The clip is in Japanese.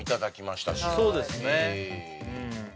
そうですねうん